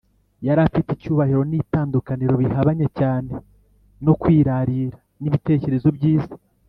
Yari afite icyubahiro n’itandukaniro bihabanye cyane no kwirarira n’ibitekerezo by’isi